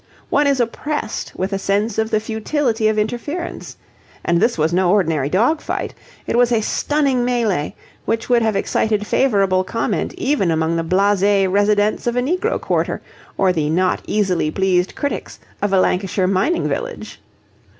One is oppressed with a sense of the futility of interference. And this was no ordinary dog fight. It was a stunning mêlée, which would have excited favourable comment even among the blasé residents of a negro quarter or the not easily pleased critics of a Lancashire mining village.